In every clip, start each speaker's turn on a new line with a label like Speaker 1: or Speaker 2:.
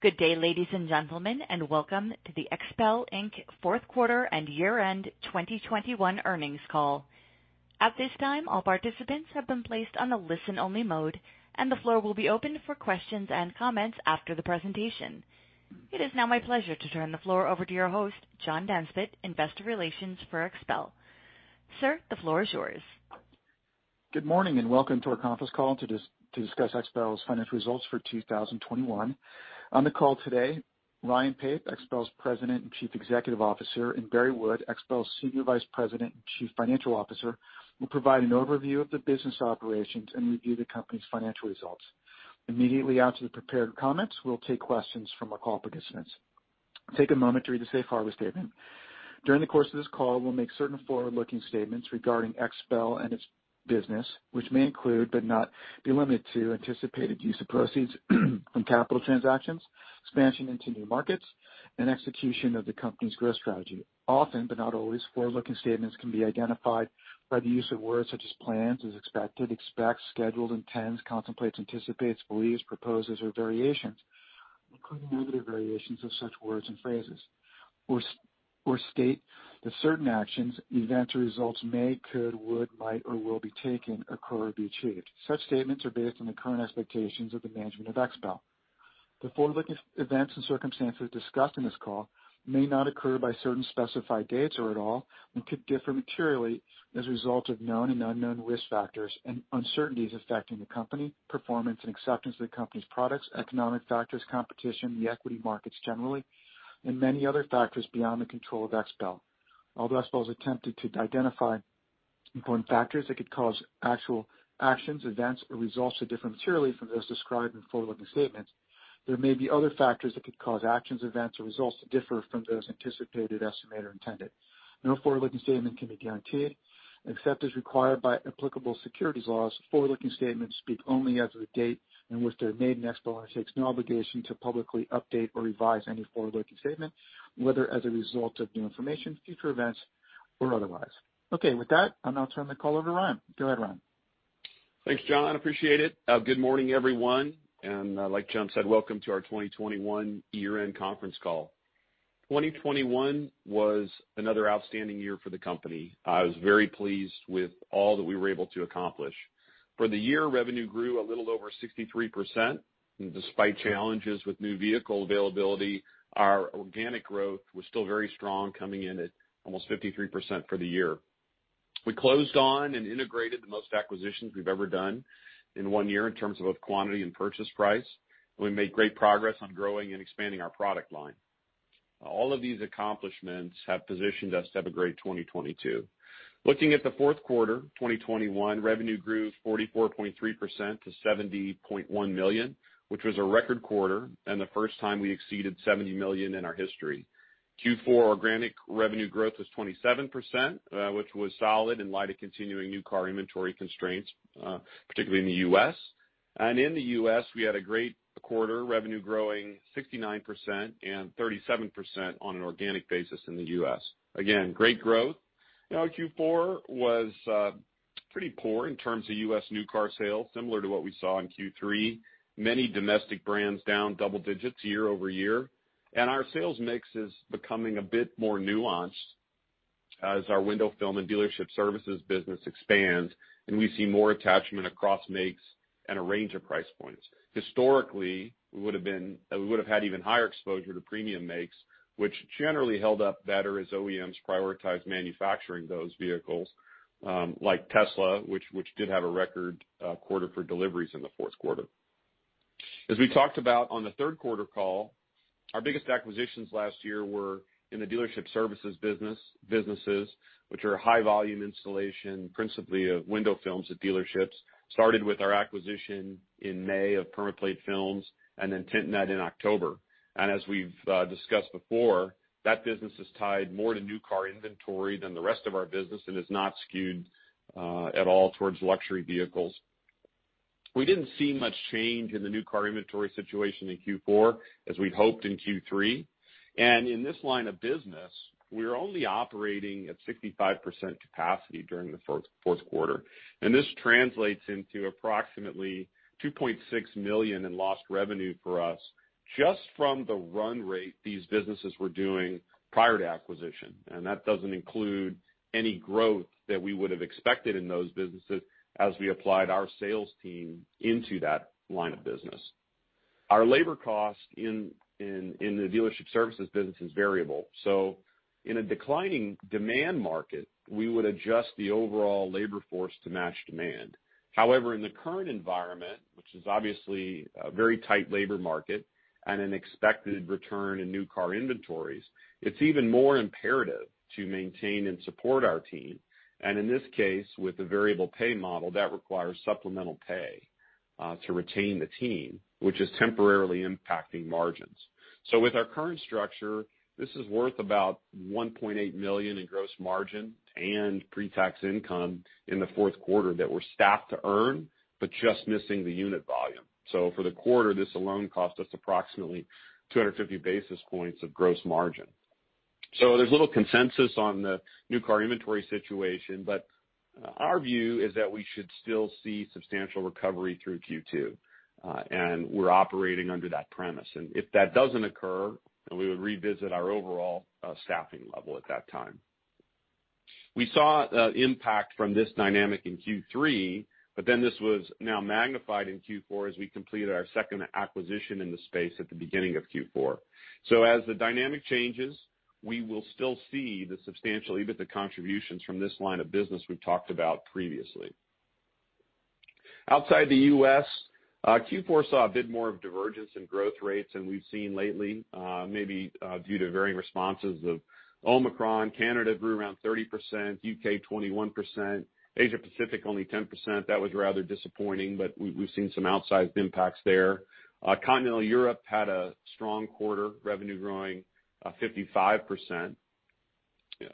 Speaker 1: Good day, ladies and gentlemen, and welcome to the XPEL, Inc fourth quarter and year-end 2021 earnings call. At this time, all participants have been placed on a listen-only mode, and the floor will be opened for questions and comments after the presentation. It is now my pleasure to turn the floor over to your host, John Nesbett, investor relations for XPEL. Sir, the floor is yours.
Speaker 2: Good morning, and welcome to our conference call to discuss XPEL's financial results for 2021. On the call today, Ryan Pape, XPEL's President and Chief Executive Officer, and Barry Wood, XPEL's Senior Vice President and Chief Financial Officer, will provide an overview of the business operations and review the company's financial results. Immediately after the prepared comments, we'll take questions from our call participants. Take a moment to read the safe harbor statement. During the course of this call, we'll make certain forward-looking statements regarding XPEL and its business, which may include, but not be limited to, anticipated use of proceeds from capital transactions, expansion into new markets, and execution of the company's growth strategy. Often, but not always, forward-looking statements can be identified by the use of words such as plans, is expected, expects, scheduled, intends, contemplates, anticipates, believes, proposes, or variations, including negative variations of such words and phrases, or state that certain actions, events, or results may, could, would, might, or will be taken, occur, or be achieved. Such statements are based on the current expectations of the management of XPEL. The forward-looking events and circumstances discussed in this call may not occur by certain specified dates or at all and could differ materially as a result of known and unknown risk factors and uncertainties affecting the company, performance and acceptance of the company's products, economic factors, competition, the equity markets generally, and many other factors beyond the control of XPEL. Although XPEL has attempted to identify important factors that could cause actual actions, events, or results to differ materially from those described in forward-looking statements, there may be other factors that could cause actions, events, or results to differ from those anticipated, estimated, or intended. No forward-looking statement can be guaranteed. Except as required by applicable securities laws, forward-looking statements speak only as of the date in which they're made, and XPEL takes no obligation to publicly update or revise any forward-looking statement, whether as a result of new information, future events, or otherwise. Okay. With that, I'll now turn the call over to Ryan. Go ahead, Ryan.
Speaker 3: Thanks, John. I appreciate it. Good morning, everyone, and, like John said, welcome to our 2021 year-end conference call. 2021 was another outstanding year for the company. I was very pleased with all that we were able to accomplish. For the year, revenue grew a little over 63%. Despite challenges with new vehicle availability, our organic growth was still very strong, coming in at almost 53% for the year. We closed on and integrated the most acquisitions we've ever done in one year in terms of both quantity and purchase price. We made great progress on growing and expanding our product line. All of these accomplishments have positioned us to have a great 2022. Looking at the fourth quarter, 2021, revenue grew 44.3% to $70.1 million, which was a record quarter and the first time we exceeded $70 million in our history. Q4 organic revenue growth was 27%, which was solid in light of continuing new car inventory constraints, particularly in the U.S. In the U.S., we had a great quarter, revenue growing 69% and 37% on an organic basis in the U.S. Again, great growth. Now, Q4 was pretty poor in terms of U.S. new car sales, similar to what we saw in Q3, many domestic brands down double digits year-over-year. Our sales mix is becoming a bit more nuanced as our window film and dealership services business expands, and we see more attachment across makes and a range of price points. Historically, we would have had even higher exposure to premium makes, which generally held up better as OEMs prioritized manufacturing those vehicles, like Tesla, which did have a record quarter for deliveries in the fourth quarter. As we talked about on the third quarter call, our biggest acquisitions last year were in the dealership services businesses, which are high volume installation, principally of window films at dealerships, started with our acquisition in May of PermaPlate Film and then Tint Net in October. As we've discussed before, that business is tied more to new car inventory than the rest of our business and is not skewed at all towards luxury vehicles. We didn't see much change in the new car inventory situation in Q4 as we'd hoped in Q3. In this line of business, we were only operating at 65% capacity during the fourth quarter. This translates into approximately $2.6 million in lost revenue for us just from the run rate these businesses were doing prior to acquisition. That doesn't include any growth that we would have expected in those businesses as we applied our sales team into that line of business. Our labor cost in the dealership services business is variable. In a declining demand market, we would adjust the overall labor force to match demand. However, in the current environment, which is obviously a very tight labor market and an expected return in new car inventories, it's even more imperative to maintain and support our team, and in this case, with a variable pay model that requires supplemental pay to retain the team, which is temporarily impacting margins. With our current structure, this is worth about $1.8 million in gross margin and pre-tax income in the fourth quarter that we're staffed to earn, but just missing the unit volume. For the quarter, this alone cost us approximately 250 basis points of gross margin. There's little consensus on the new car inventory situation, but our view is that we should still see substantial recovery through Q2 and we're operating under that premise. If that doesn't occur, then we would revisit our overall, staffing level at that time. We saw the impact from this dynamic in Q3, but then this was now magnified in Q4 as we completed our second acquisition in the space at the beginning of Q4. As the dynamic changes, we will still see the substantial EBITDA contributions from this line of business we've talked about previously. Outside the U.S., Q4 saw a bit more of divergence in growth rates than we've seen lately, maybe, due to varying responses of Omicron. Canada grew around 30%, U.K. 21%. Asia Pacific only 10%. That was rather disappointing. We've seen some outsized impacts there. Continental Europe had a strong quarter, revenue growing 55%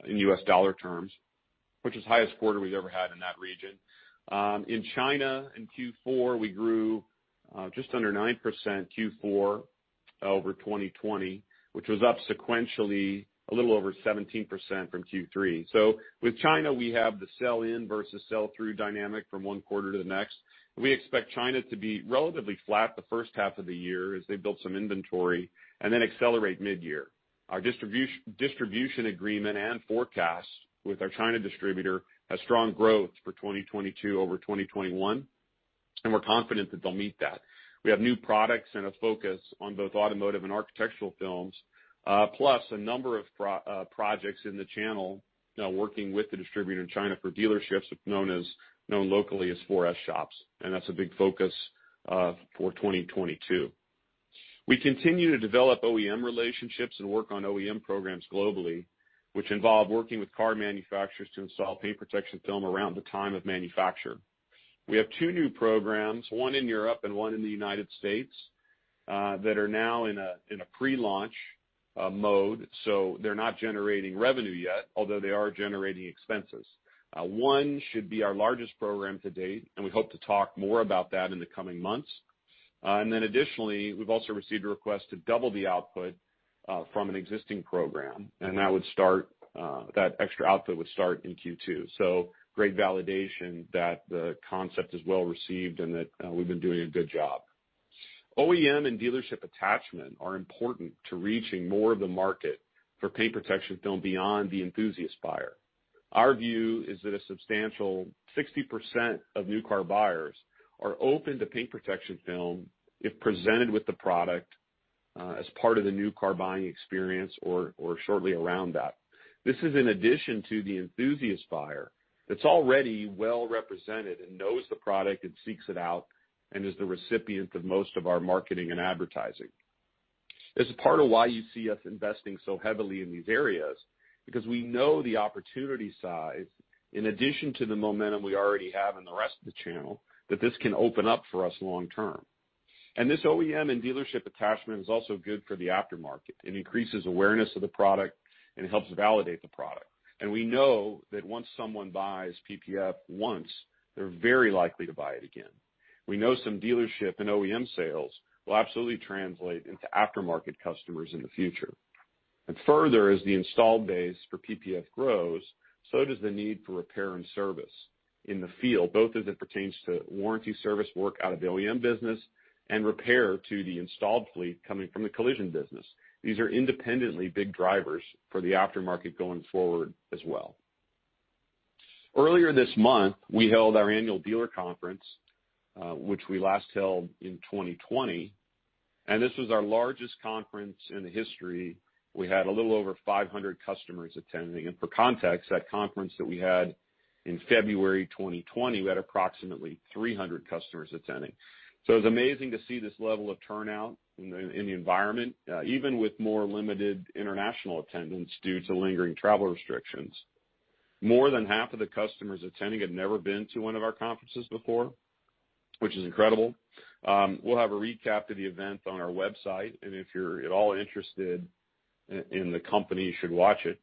Speaker 3: in U.S. dollar terms, which is the highest quarter we've ever had in that region. In China, in Q4, we grew just under 9% Q4 over 2020, which was up sequentially a little over 17% from Q3. With China, we have the sell-in versus sell-through dynamic from one quarter to the next. We expect China to be relatively flat the first half of the year as they build some inventory and then accelerate midyear. Our distribution agreement and forecast with our China distributor has strong growth for 2022 over 2021, and we're confident that they'll meet that. We have new products and a focus on both automotive and architectural films, plus a number of projects in the channel now working with the distributor in China for dealerships known locally as 4S shops, and that's a big focus for 2022. We continue to develop OEM relationships and work on OEM programs globally, which involve working with car manufacturers to install paint protection film around the time of manufacture. We have two new programs, one in Europe and one in the United States, that are now in a pre-launch mode, so they're not generating revenue yet, although they are generating expenses. One should be our largest program to date, and we hope to talk more about that in the coming months. Additionally, we've also received a request to double the output from an existing program, and that extra output would start in Q2. Great validation that the concept is well received and that we've been doing a good job. OEM and dealership attachment are important to reaching more of the market for paint protection film beyond the enthusiast buyer. Our view is that a substantial 60% of new car buyers are open to paint protection film if presented with the product as part of the new car buying experience or shortly around that. This is in addition to the enthusiast buyer that's already well represented and knows the product and seeks it out and is the recipient of most of our marketing and advertising. It's part of why you see us investing so heavily in these areas because we know the opportunity size, in addition to the momentum we already have in the rest of the channel, that this can open up for us long term. This OEM and dealership attachment is also good for the aftermarket. It increases awareness of the product, and it helps validate the product. We know that once someone buys PPF once, they're very likely to buy it again. We know some dealership and OEM sales will absolutely translate into aftermarket customers in the future. Further, as the installed base for PPF grows, so does the need for repair and service in the field, both as it pertains to warranty service work out of the OEM business and repair to the installed fleet coming from the collision business. These are independently big drivers for the aftermarket going forward as well. Earlier this month, we held our annual dealer conference, which we last held in 2020, and this was our largest conference in the history. We had a little over 500 customers attending. For context, that conference that we had in February 2020, we had approximately 300 customers attending. It was amazing to see this level of turnout in the environment, even with more limited international attendance due to lingering travel restrictions. More than half of the customers attending had never been to one of our conferences before, which is incredible. We'll have a recap of the event on our website, and if you're at all interested in the company, you should watch it.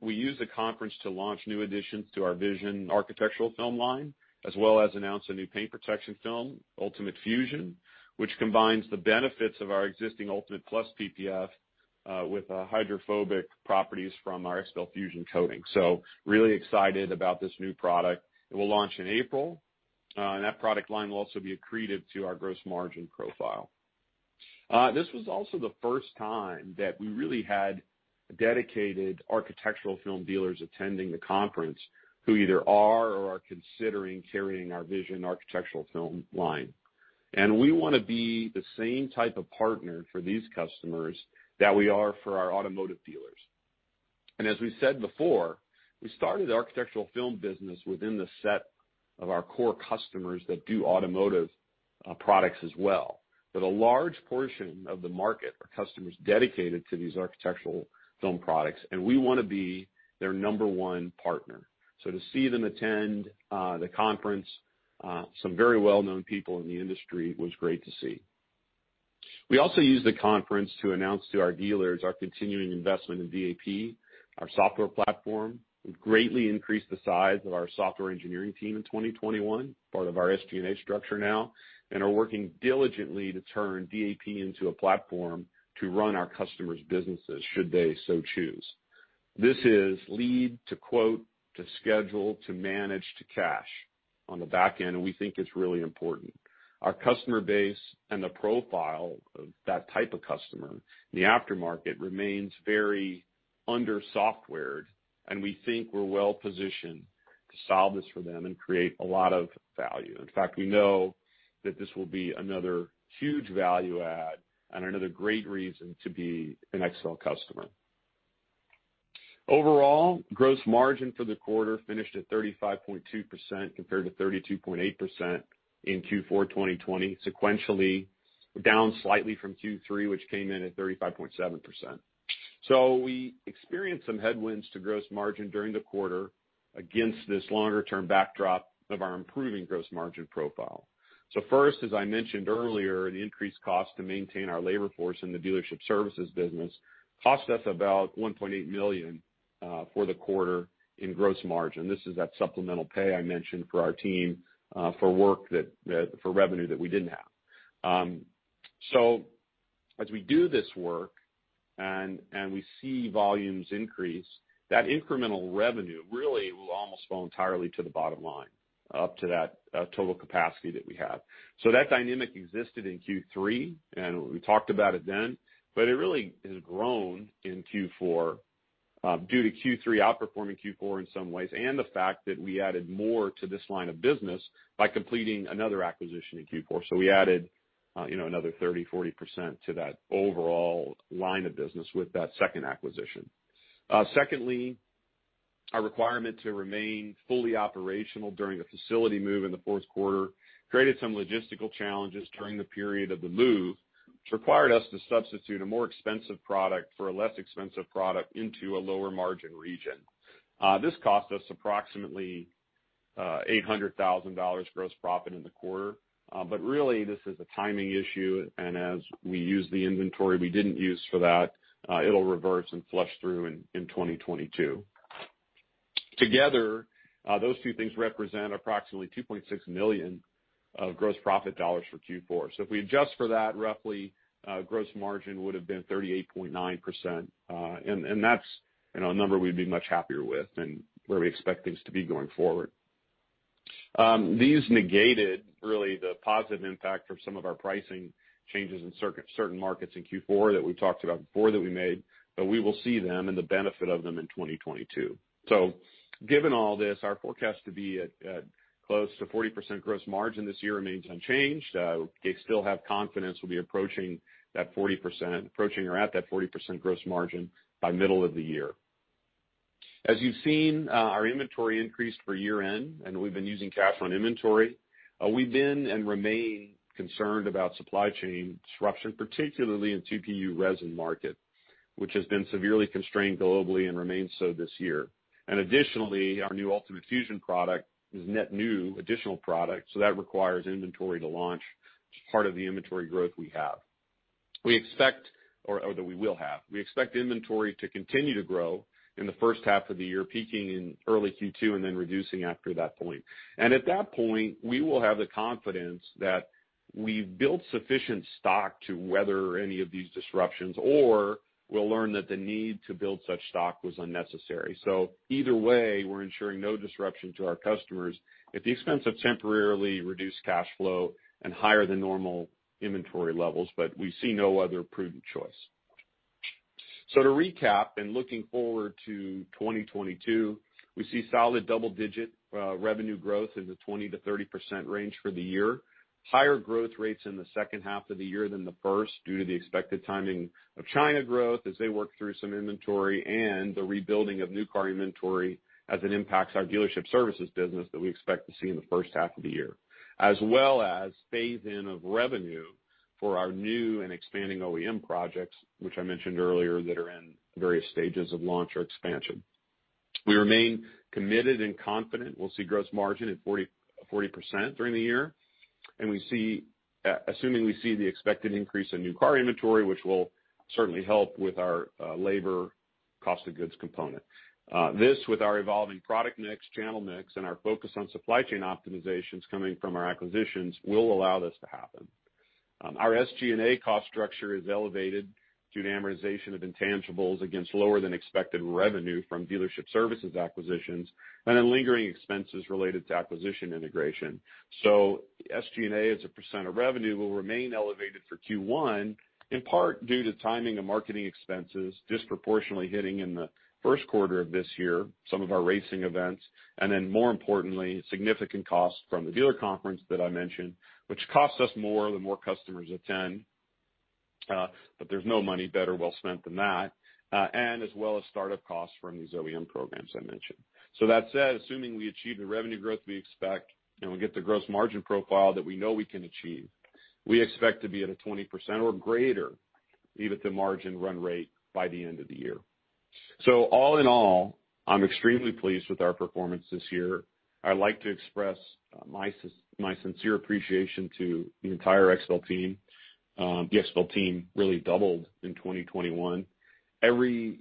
Speaker 3: We used the conference to launch new additions to our VISION architectural film line, as well as announce a new paint protection film, ULTIMATE FUSION, which combines the benefits of our existing ULTIMATE PLUS PPF with hydrophobic properties from our XPEL FUSION coating. Really excited about this new product. It will launch in April, and that product line will also be accretive to our gross margin profile. This was also the first time that we really had dedicated architectural film dealers attending the conference who either are or are considering carrying our VISION architectural film line. We wanna be the same type of partner for these customers that we are for our automotive dealers. As we said before, we started the architectural film business within the set of our core customers that do automotive products as well. A large portion of the market are customers dedicated to these architectural film products, and we wanna be their number one partner. To see them attend the conference, some very well-known people in the industry, was great to see. We also used the conference to announce to our dealers our continuing investment in DAP. Our software platform would greatly increase the size of our software engineering team in 2021, part of our SG&A structure now, and are working diligently to turn DAP into a platform to run our customers' businesses should they so choose. This'll lead to quote, to schedule, to manage, to cash on the back end, and we think it's really important. Our customer base and the profile of that type of customer in the aftermarket remains very undersoftwared, and we think we're well positioned to solve this for them and create a lot of value. In fact, we know that this will be another huge value add and another great reason to be an XPEL customer. Overall, gross margin for the quarter finished at 35.2% compared to 32.8% in Q4 2020, sequentially down slightly from Q3, which came in at 35.7%. We experienced some headwinds to gross margin during the quarter against this longer-term backdrop of our improving gross margin profile. First, as I mentioned earlier, the increased cost to maintain our labor force in the dealership services business cost us about $1.8 million for the quarter in gross margin. This is that supplemental pay I mentioned for our team for work that for revenue that we didn't have. As we do this work and we see volumes increase, that incremental revenue really will almost fall entirely to the bottom line, up to that total capacity that we have. That dynamic existed in Q3, and we talked about it then, but it really has grown in Q4, due to Q3 outperforming Q4 in some ways, and the fact that we added more to this line of business by completing another acquisition in Q4. We added another 30%-40% to that overall line of business with that second acquisition. Secondly, our requirement to remain fully operational during the facility move in the fourth quarter created some logistical challenges during the period of the move, which required us to substitute a more expensive product for a less expensive product into a lower margin region. This cost us approximately $800,000 gross profit in the quarter. Really, this is a timing issue, and as we use the inventory we didn't use for that, it'll reverse and flush through in 2022. Together, those two things represent approximately $2.6 million of gross profit dollars for Q4. If we adjust for that, roughly, gross margin would've been 38.9%. And that's, you know, a number we'd be much happier with and where we expect things to be going forward. These negated really the positive impact from some of our pricing changes in certain markets in Q4 that we've talked about before that we made, but we will see them and the benefit of them in 2022. Given all this, our forecast to be at close to 40% gross margin this year remains unchanged. We still have confidence we'll be approaching that 40%, approaching or at that 40% gross margin by middle of the year. As you've seen, our inventory increased for year-end, and we've been using cash on inventory. We've been and remain concerned about supply chain disruption, particularly in TPU resin market, which has been severely constrained globally and remains so this year. Additionally, our new ULTIMATE FUSION product is net new additional product, so that requires inventory to launch, which is part of the inventory growth we have. We expect inventory to continue to grow in the first half of the year, peaking in early Q2 and then reducing after that point. At that point, we will have the confidence that we've built sufficient stock to weather any of these disruptions, or we'll learn that the need to build such stock was unnecessary. Either way, we're ensuring no disruption to our customers at the expense of temporarily reduced cash flow and higher than normal inventory levels, but we see no other prudent choice. To recap, in looking forward to 2022, we see solid double-digit revenue growth in the 20%-30% range for the year. Higher growth rates in the second half of the year than the first due to the expected timing of China growth as they work through some inventory and the rebuilding of new car inventory as it impacts our dealership services business that we expect to see in the first half of the year. As well as phase-in of revenue for our new and expanding OEM projects, which I mentioned earlier, that are in various stages of launch or expansion. We remain committed and confident we'll see gross margin at 40% during the year, and we see, assuming we see the expected increase in new car inventory, which will certainly help with our labor cost of goods component. This with our evolving product mix, channel mix, and our focus on supply chain optimizations coming from our acquisitions will allow this to happen. Our SG&A cost structure is elevated due to amortization of intangibles against lower than expected revenue from dealership services acquisitions and then lingering expenses related to acquisition integration. SG&A as a percent of revenue will remain elevated for Q1, in part due to timing of marketing expenses disproportionately hitting in the first quarter of this year, some of our racing events, and then more importantly, significant costs from the dealer conference that I mentioned, which costs us more the more customers attend, but there's no money better well spent than that, and as well as startup costs from these OEM programs I mentioned. That said, assuming we achieve the revenue growth we expect and we get the gross margin profile that we know we can achieve, we expect to be at a 20% or greater EBITDA margin run rate by the end of the year. All in all, I'm extremely pleased with our performance this year. I'd like to express my sincere appreciation to the entire XPEL team. The XPEL team really doubled in 2021. Every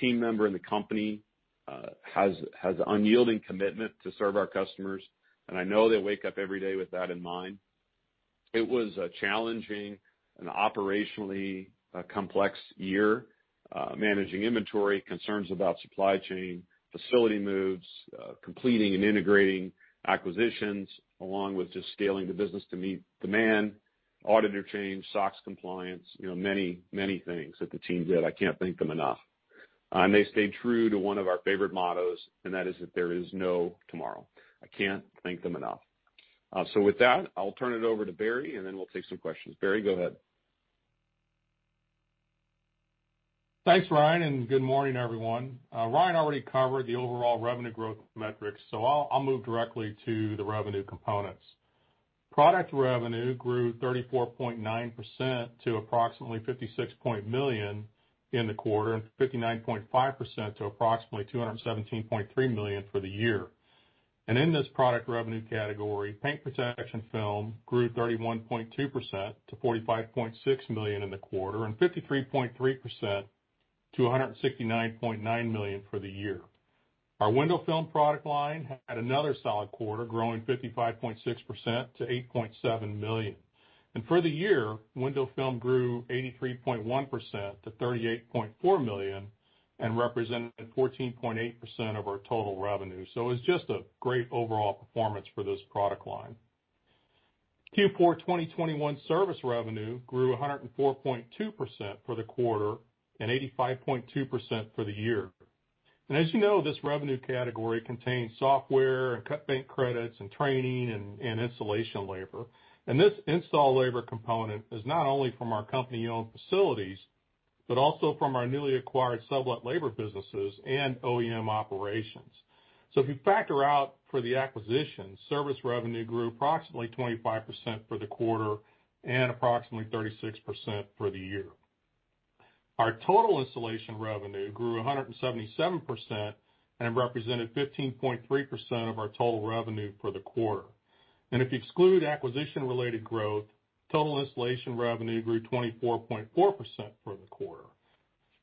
Speaker 3: team member in the company has unyielding commitment to serve our customers, and I know they wake up every day with that in mind. It was a challenging and operationally a complex year, managing inventory, concerns about supply chain, facility moves, completing and integrating acquisitions, along with just scaling the business to meet demand, auditor change, SOX compliance, you know, many things that the team did. I can't thank them enough. They stayed true to one of our favorite mottos, and that is that there is no tomorrow. I can't thank them enough. With that, I'll turn it over to Barry, and then we'll take some questions. Barry, go ahead.
Speaker 4: Thanks, Ryan, and good morning, everyone. Ryan already covered the overall revenue growth metrics, so I'll move directly to the revenue components. Product revenue grew 34.9% to approximately $56 million in the quarter, and 59.5% to approximately $217.3 million for the year. In this product revenue category, paint protection film grew 31.2% to $45.6 million in the quarter and 53.3% to $169.9 million for the year. Our window film product line had another solid quarter, growing 55.6% to $8.7 million. For the year, window film grew 83.1% to $38.4 million and represented 14.8% of our total revenue. It's just a great overall performance for this product line. Q4 2021 service revenue grew 104.2% for the quarter and 85.2% for the year. As you know, this revenue category contains software and cut bank credits and training and installation labor. This install labor component is not only from our company-owned facilities, but also from our newly acquired sublet labor businesses and OEM operations. If you factor out for the acquisition, service revenue grew approximately 25% for the quarter and approximately 36% for the year. Our total installation revenue grew 177% and represented 15.3% of our total revenue for the quarter. If you exclude acquisition-related growth, total installation revenue grew 24.4% for the quarter.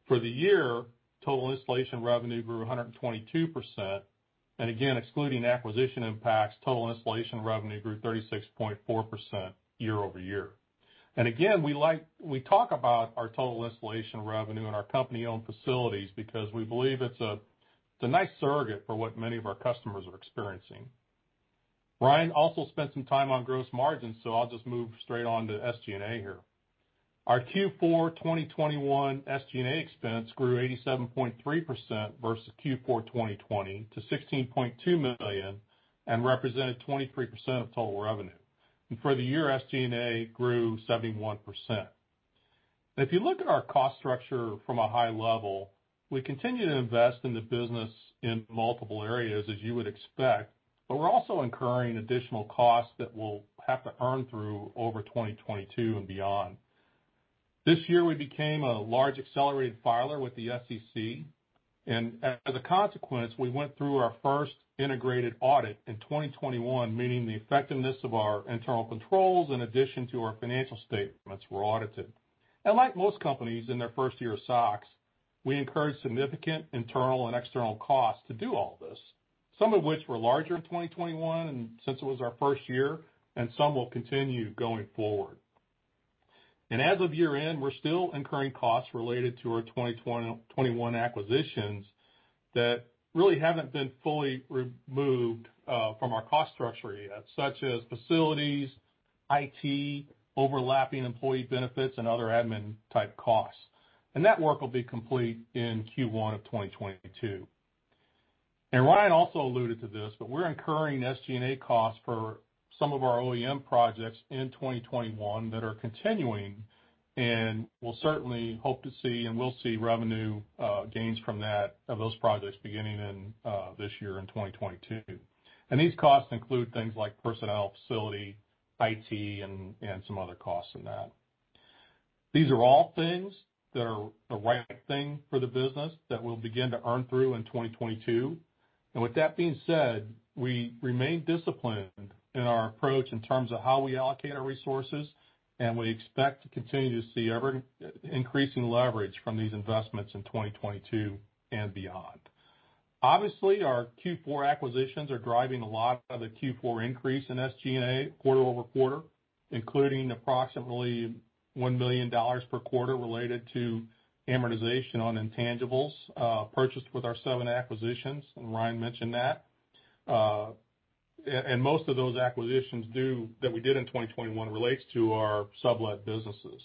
Speaker 4: For the year, total installation revenue grew 122%. Again, excluding acquisition impacts, total installation revenue grew 36.4% year-over-year. Again, we talk about our total installation revenue in our company-owned facilities because we believe it's a nice surrogate for what many of our customers are experiencing. Ryan also spent some time on gross margins, so I'll just move straight on to SG&A here. Our Q4 2021 SG&A expense grew 87.3% versus Q4 2020 to $16.2 million and represented 23% of total revenue. For the year, SG&A grew 71%. If you look at our cost structure from a high level, we continue to invest in the business in multiple areas as you would expect, but we're also incurring additional costs that we'll have to earn through over 2022 and beyond. This year, we became a large accelerated filer with the SEC, and as a consequence, we went through our first integrated audit in 2021, meaning the effectiveness of our internal controls in addition to our financial statements were audited. Like most companies in their first year of SOX, we incurred significant internal and external costs to do all this, some of which were larger in 2021 and since it was our first year, and some will continue going forward. As of year-end, we're still incurring costs related to our 2021 acquisitions that really haven't been fully removed from our cost structure yet, such as facilities, IT, overlapping employee benefits, and other admin type costs. That work will be complete in Q1 of 2022. Ryan also alluded to this, but we're incurring SG&A costs for some of our OEM projects in 2021 that are continuing, and we'll certainly hope to see, and we'll see revenue gains from that, of those projects beginning in this year in 2022. These costs include things like personnel, facility, IT, and some other costs in that. These are all things that are the right thing for the business that we'll begin to earn through in 2022. With that being said, we remain disciplined in our approach in terms of how we allocate our resources, and we expect to continue to see ever increasing leverage from these investments in 2022 and beyond. Obviously, our Q4 acquisitions are driving a lot of the Q4 increase in SG&A quarter-over-quarter, including approximately $1 million per quarter related to amortization on intangibles purchased with our seven acquisitions, and Ryan mentioned that. And most of those acquisitions that we did in 2021 relate to our sublet businesses.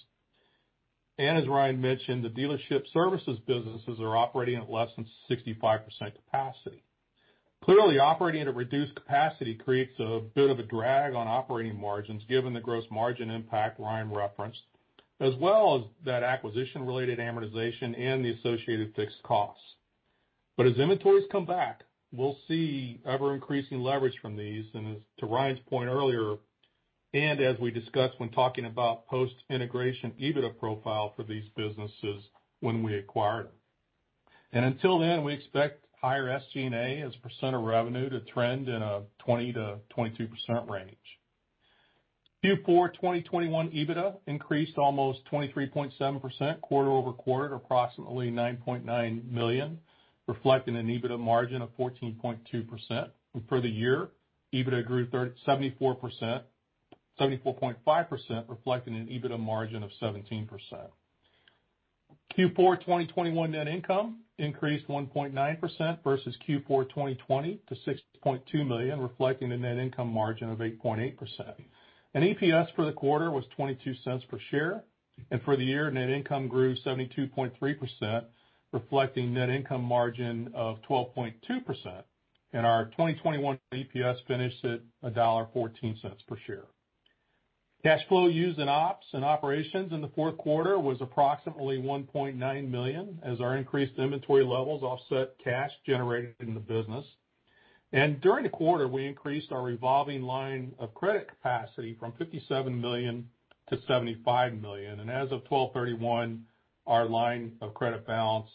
Speaker 4: As Ryan mentioned, the dealership services businesses are operating at less than 65% capacity. Clearly, operating at a reduced capacity creates a bit of a drag on operating margins given the gross margin impact Ryan referenced, as well as that acquisition-related amortization and the associated fixed costs. As inventories come back, we'll see ever-increasing leverage from these, and as to Ryan's point earlier. As we discussed when talking about post-integration EBITDA profile for these businesses when we acquired them. Until then, we expect higher SG&A as a percent of revenue to trend in a 20%-22% range. Q4 2021 EBITDA increased almost 23.7% quarter-over-quarter to approximately $9.9 million, reflecting an EBITDA margin of 14.2%. For the year, EBITDA grew 74.5%, reflecting an EBITDA margin of 17%. Q4 2021 net income increased 1.9% versus Q4 2020 to $6.2 million, reflecting a net income margin of 8.8%. EPS for the quarter was $0.22 per share, and for the year, net income grew 72.3%, reflecting net income margin of 12.2%. Our 2021 EPS finished at $1.14 per share. Cash flow used in ops and operations in the fourth quarter was approximately $1.9 million as our increased inventory levels offset cash generated in the business. During the quarter, we increased our revolving line of credit capacity from $57 million to $75 million. As of 12/31, our line of credit balance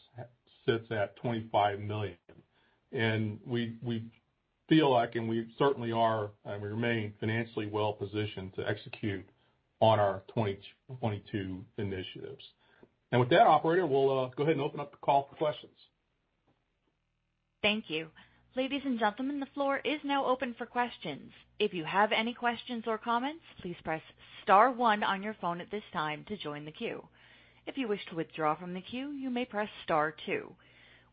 Speaker 4: sits at $25 million. We feel like, and we certainly are, and we remain financially well positioned to execute on our 2022 initiatives. With that, operator, we'll go ahead and open up the call for questions.
Speaker 1: Thank you. Ladies and gentlemen, the floor is now open for questions. If you have any questions or comments, please press star one on your phone at this time to join the queue. If you wish to withdraw from the queue, you may press star two.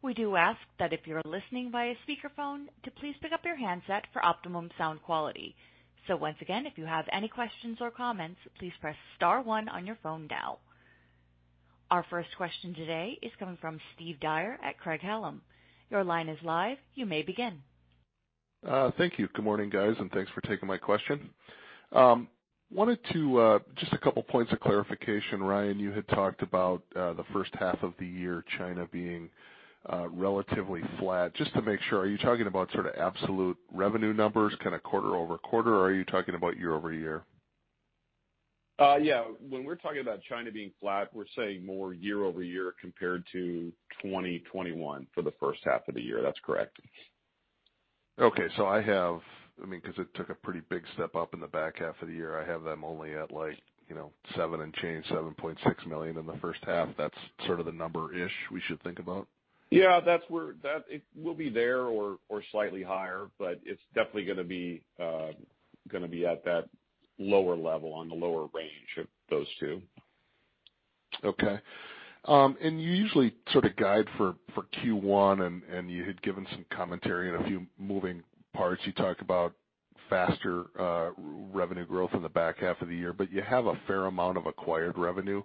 Speaker 1: We do ask that if you're listening via speakerphone to please pick up your handset for optimum sound quality. Once again, if you have any questions or comments, please press star one on your phone now. Our first question today is coming from Steve Dyer at Craig-Hallum. Your line is live. You may begin.
Speaker 5: Thank you. Good morning, guys, and thanks for taking my question. I wanted to just a couple points of clarification. Ryan, you had talked about the first half of the year, China being relatively flat. Just to make sure, are you talking about sort of absolute revenue numbers kind of quarter-over-quarter, or are you talking about year-over-year?
Speaker 3: Yeah, when we're talking about China being flat, we're saying more year-over-year compared to 2021 for the first half of the year. That's correct.
Speaker 5: I mean, 'cause it took a pretty big step up in the back half of the year. I have them only at, like, you know, $7 million and change, $7.6 million in the first half. That's sort of the number-ish we should think about?
Speaker 3: Yeah, it will be there or slightly higher, but it's definitely gonna be at that lower level on the lower range of those two.
Speaker 5: Okay. You usually sort of guide for Q1, and you had given some commentary on a few moving parts. You talked about faster revenue growth in the back half of the year. You have a fair amount of acquired revenue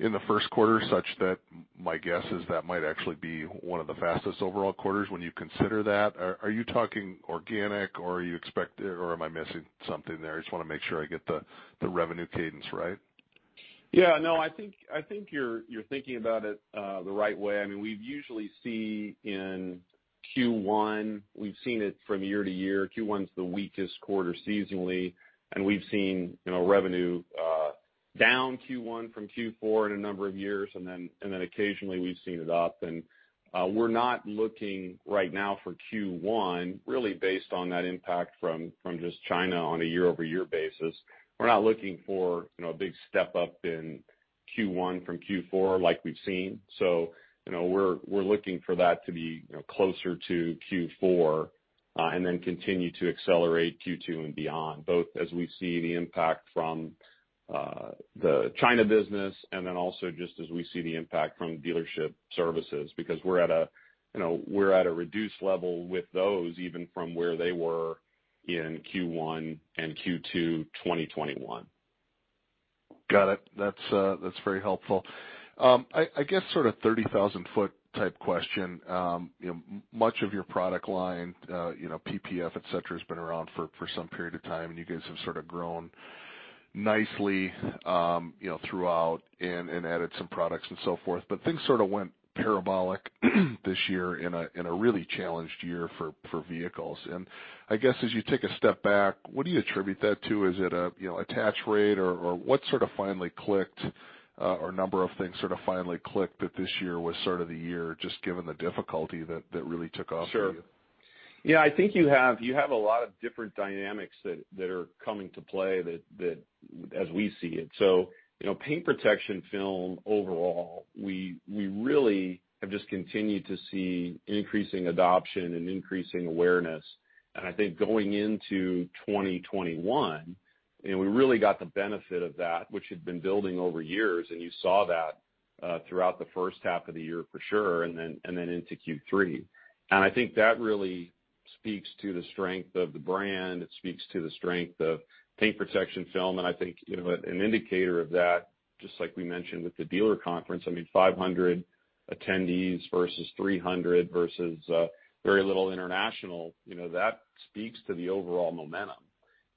Speaker 5: in the first quarter, such that my guess is that might actually be one of the fastest overall quarters when you consider that? Are you talking organic, or am I missing something there? I just wanna make sure I get the revenue cadence right?
Speaker 3: Yeah, no, I think you're thinking about it the right way. I mean, we usually see in Q1, we've seen it from year to year. Q1's the weakest quarter seasonally, and we've seen, you know, revenue down Q1 from Q4 in a number of years, and then occasionally we've seen it up. We're not looking right now for Q1 really based on that impact from just China on a year-over-year basis. We're not looking for, you know, a big step up in Q1 from Q4 like we've seen. You know, we're looking for that to be, you know, closer to Q4 and then continue to accelerate Q2 and beyond, both as we see the impact from the China business and then also just as we see the impact from dealership services, because we're at a, you know, we're at a reduced level with those even from where they were in Q1 and Q2 2021.
Speaker 5: Got it. That's very helpful. I guess sort of 30,000 ft type question. You know, much of your product line, you know, PPF, et cetera, has been around for some period of time, and you guys have sort of grown nicely, you know, throughout and added some products and so forth. Things sort of went parabolic this year in a really challenged year for vehicles. I guess as you take a step back, what do you attribute that to? Is it a, you know, attach rate or what sort of finally clicked, or number of things sort of finally clicked that this year was sort of the year just given the difficulty that really took off for you?
Speaker 3: Sure. Yeah, I think you have a lot of different dynamics that are coming to play that as we see it. You know, paint protection film overall, we really have just continued to see increasing adoption and increasing awareness. I think going into 2021, we really got the benefit of that, which had been building over years, and you saw that throughout the first half of the year for sure, and then into Q3. I think that really speaks to the strength of the brand. It speaks to the strength of paint protection film. I think, you know, an indicator of that, just like we mentioned with the dealer conference, I mean, 500 attendees versus 300 versus very little international, you know, that speaks to the overall momentum.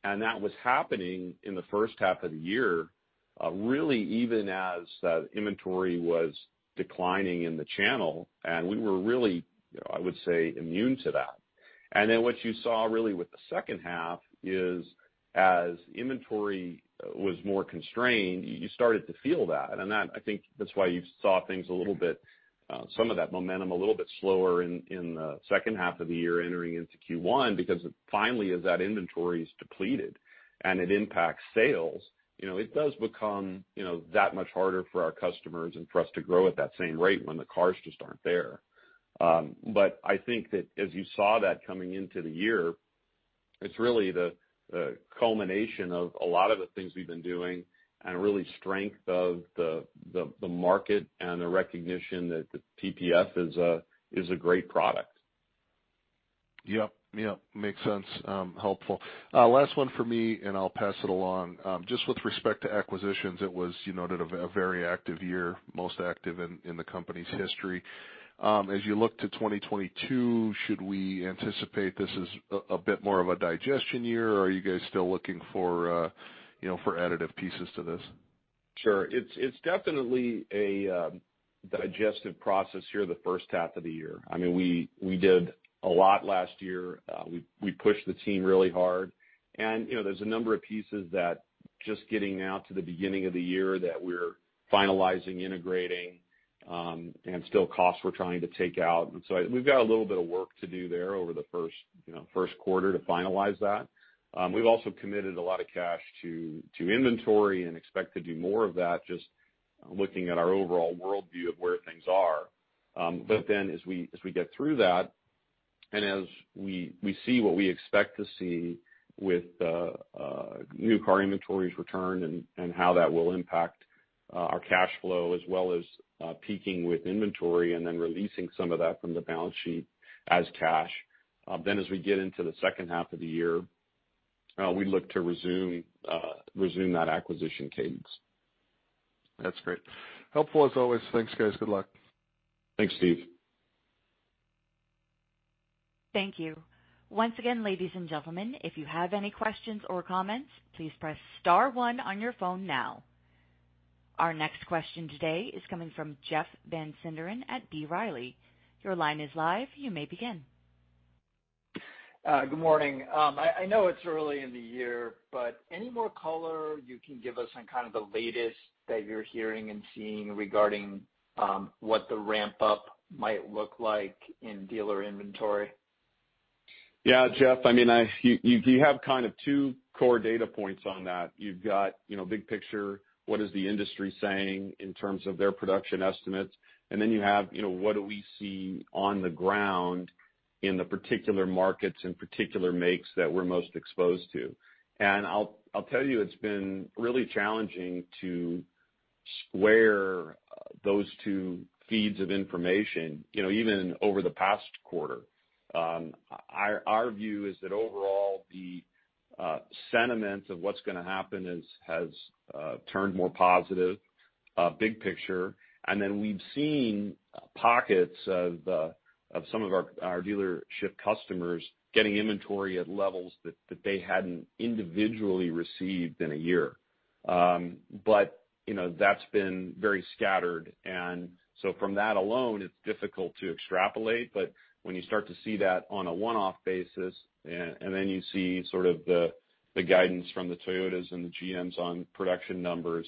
Speaker 3: That was happening in the first half of the year, really even as the inventory was declining in the channel, and we were really, I would say, immune to that. Then what you saw really with the second half is as inventory was more constrained, you started to feel that. That I think that's why you saw things a little bit, some of that momentum a little bit slower in the second half of the year entering into Q1 because finally as that inventory is depleted and it impacts sales, you know, it does become, you know, that much harder for our customers and for us to grow at that same rate when the cars just aren't there. I think that as you saw that coming into the year, it's really the culmination of a lot of the things we've been doing and real strength of the market and the recognition that the PPF is a great product.
Speaker 5: Yep. Makes sense. Helpful. Last one for me, and I'll pass it along. Just with respect to acquisitions, it was, you noted a very active year, most active in the company's history. As you look to 2022, should we anticipate this as a bit more of a digestion year, or are you guys still looking for, you know, for additive pieces to this?
Speaker 3: Sure. It's definitely a digestive process here in the first half of the year. I mean, we did a lot last year. We pushed the team really hard. You know, there's a number of pieces that we're just getting into now at the beginning of the year that we're finalizing, integrating, and costs we're still trying to take out. We've got a little bit of work to do there over the first quarter to finalize that. We've also committed a lot of cash to inventory and expect to do more of that just looking at our overall worldview of where things are. As we get through that, and as we see what we expect to see with the new car inventories return and how that will impact our cash flow as well as peaking with inventory and then releasing some of that from the balance sheet as cash, then as we get into the second half of the year, we look to resume that acquisition cadence.
Speaker 5: That's great. Helpful as always. Thanks, guys. Good luck.
Speaker 3: Thanks, Steve.
Speaker 1: Thank you. Once again, ladies and gentlemen, if you have any questions or comments, please press star one on your phone now. Our next question today is coming from Jeff Van Sinderen at B. Riley. Your line is live. You may begin.
Speaker 6: Good morning. I know it's early in the year, but any more color you can give us on kind of the latest that you're hearing and seeing regarding what the ramp up might look like in dealer inventory?
Speaker 3: Yeah, Jeff, I mean, you have kind of two core data points on that. You've got, you know, big picture, what is the industry saying in terms of their production estimates? Then you have, you know, what do we see on the ground in the particular markets and particular makes that we're most exposed to? I'll tell you it's been really challenging to square those two feeds of information, you know, even over the past quarter. Our view is that overall the sentiment of what's gonna happen has turned more positive, big picture. Then we've seen pockets of some of our dealership customers getting inventory at levels that they hadn't individually received in a year. You know, that's been very scattered. So from that alone, it's difficult to extrapolate. When you start to see that on a one-off basis and then you see sort of the guidance from the Toyotas and the GMs on production numbers,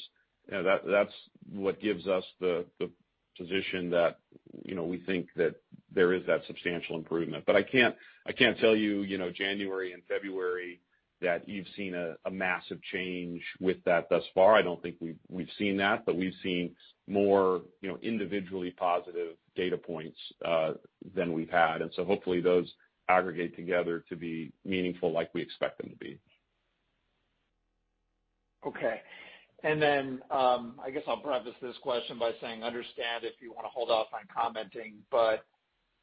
Speaker 3: you know, that's what gives us the position that, you know, we think that there is that substantial improvement. I can't tell you know, January and February that you've seen a massive change with that thus far. I don't think we've seen that, but we've seen more, you know, individually positive data points than we've had. Hopefully those aggregate together to be meaningful like we expect them to be.
Speaker 6: Okay. I guess I'll preface this question by saying understand if you want to hold off on commenting, but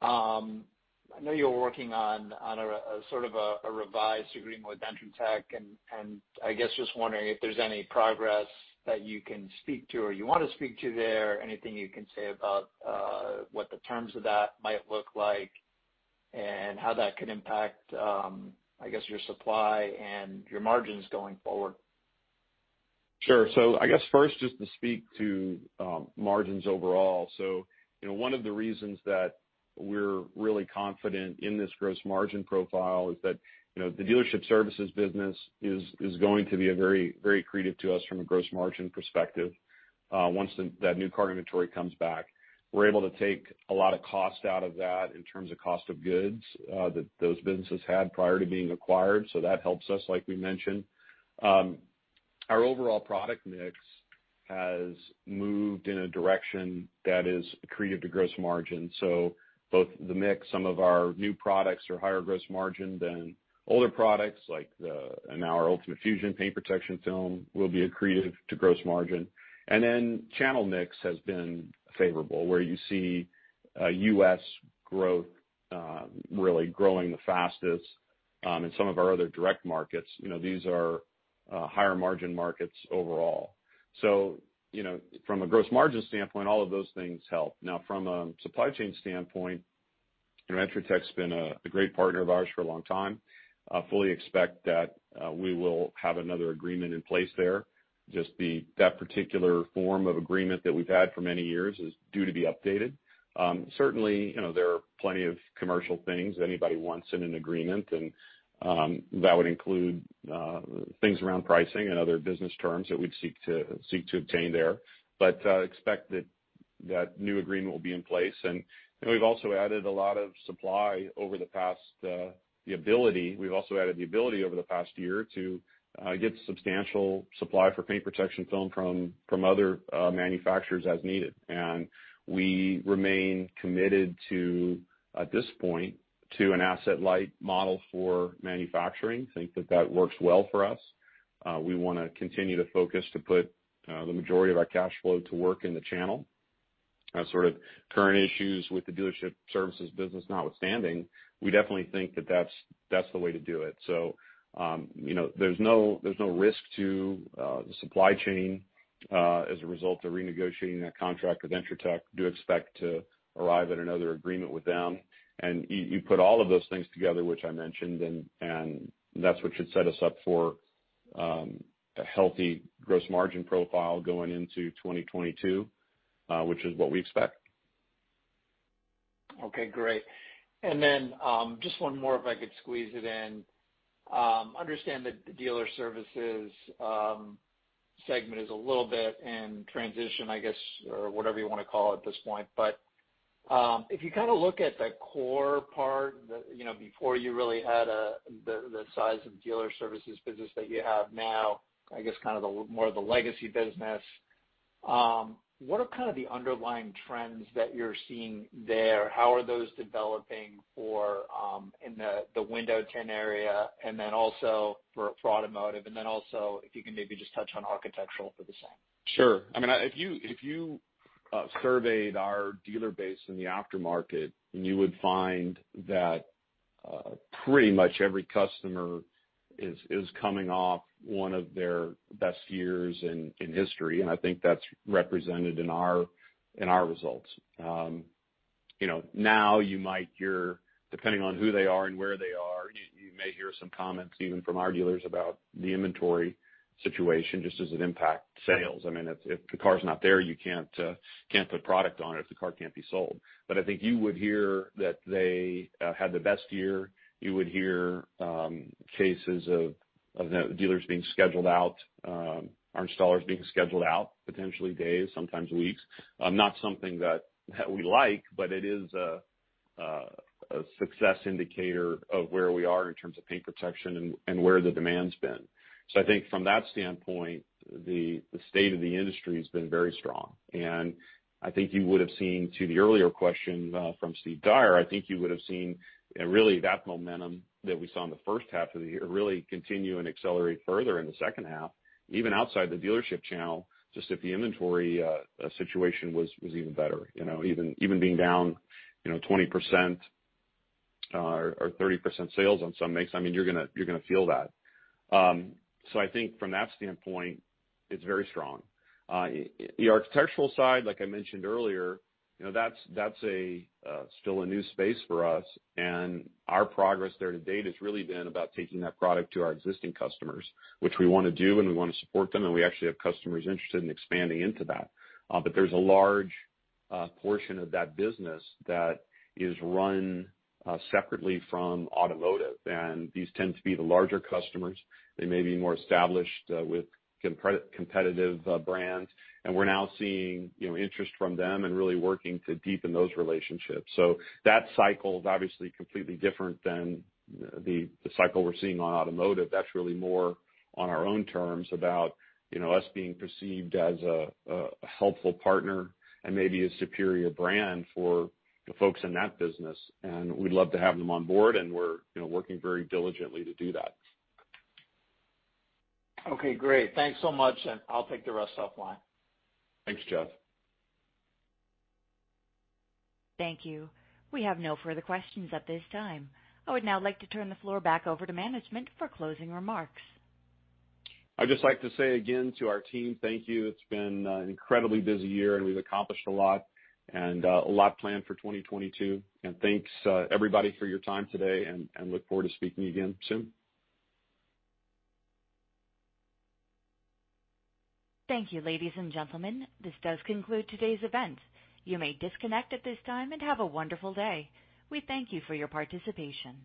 Speaker 6: I know you're working on a sort of revised agreement with entrotech, and I guess just wondering if there's any progress that you can speak to or you want to speak to there? Anything you can say about what the terms of that might look like and how that could impact your supply and your margins going forward?
Speaker 3: Sure. I guess first, just to speak to margins overall. You know, one of the reasons that we're really confident in this gross margin profile is that, you know, the dealership services business is going to be a very, very accretive to us from a gross margin perspective once that new car inventory comes back. We're able to take a lot of cost out of that in terms of cost of goods that those businesses had prior to being acquired, so that helps us like we mentioned. Our overall product mix has moved in a direction that is accretive to gross margin. Both the mix, some of our new products are higher gross margin than older products like, and now our ULTIMATE FUSION paint protection film will be accretive to gross margin. Channel mix has been favorable, where you see, U.S. growth really growing the fastest in some of our other direct markets. You know, these are higher margin markets overall. You know, from a gross margin standpoint, all of those things help. From a supply chain standpoint you know, entrotech's been a great partner of ours for a long time. Fully expect that we will have another agreement in place there. Just that particular form of agreement that we've had for many years is due to be updated. Certainly, you know, there are plenty of commercial things anybody wants in an agreement, and that would include things around pricing and other business terms that we'd seek to obtain there. Expect that that new agreement will be in place. You know, we've also added the ability over the past year to get substantial supply for paint protection film from other manufacturers as needed. We remain committed at this point to an asset light model for manufacturing. We think that works well for us. We want to continue to focus to put the majority of our cash flow to work in the channel. Sort of current issues with the dealership services business notwithstanding, we definitely think that that's the way to do it. You know, there's no risk to the supply chain as a result of renegotiating that contract with entrotech. We do expect to arrive at another agreement with them. You put all of those things together, which I mentioned, and that's what should set us up for a healthy gross margin profile going into 2022, which is what we expect.
Speaker 6: Okay, great. Then, just one more if I could squeeze it in. I understand that the dealer services segment is a little bit in transition, I guess, or whatever you wanna call it at this point. If you kind of look at the core part, you know, before you really had the size of dealer services business that you have now, I guess kind of more of the legacy business, what are kind of the underlying trends that you're seeing there? How are those developing in the window tint area, and then also for automotive, and then also if you can maybe just touch on architectural for the same?
Speaker 3: Sure. I mean, if you surveyed our dealer base in the aftermarket, then you would find that pretty much every customer is coming off one of their best years in history, and I think that's represented in our results. You know, now you might hear, depending on who they are and where they are, you may hear some comments even from our dealers about the inventory situation just as it impacts sales. I mean, if the car's not there, you can't put product on it if the car can't be sold. I think you would hear that they had the best year. You would hear cases of dealers being scheduled out, our installers being scheduled out, potentially days, sometimes weeks. Not something that we like, but it is a success indicator of where we are in terms of paint protection and where the demand's been. I think from that standpoint, the state of the industry has been very strong. I think you would've seen, to the earlier question from Steve Dyer, really that momentum that we saw in the first half of the year really continue and accelerate further in the second half, even outside the dealership channel, just if the inventory situation was even better. You know, even being down, you know, 20% or 30% sales on some makes, I mean, you're gonna feel that. I think from that standpoint, it's very strong. The architectural side, like I mentioned earlier, you know, that's still a new space for us, and our progress there to date has really been about taking that product to our existing customers, which we wanna do, and we wanna support them, and we actually have customers interested in expanding into that. But there's a large portion of that business that is run separately from automotive. These tend to be the larger customers. They may be more established with competitive brands. We're now seeing, you know, interest from them and really working to deepen those relationships. That cycle is obviously completely different than the cycle we're seeing on automotive. That's really more on our own terms about, you know, us being perceived as a helpful partner and maybe a superior brand for the folks in that business. We'd love to have them on board, and we're, you know, working very diligently to do that.
Speaker 6: Okay, great. Thanks so much, and I'll take the rest offline.
Speaker 3: Thanks, Jeff.
Speaker 1: Thank you. We have no further questions at this time. I would now like to turn the floor back over to management for closing remarks.
Speaker 3: I'd just like to say again to our team, thank you. It's been an incredibly busy year, and we've accomplished a lot, and a lot planned for 2022. Thanks, everybody, for your time today, and look forward to speaking again soon.
Speaker 1: Thank you, ladies and gentlemen. This does conclude today's event. You may disconnect at this time, and have a wonderful day. We thank you for your participation.